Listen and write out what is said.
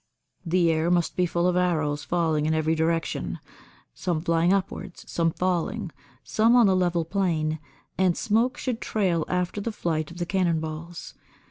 The air must be full of arrows falling in every direction: some flying upwards, some falling, some on the level plane; and smoke should trail after the flight of the cannon balls.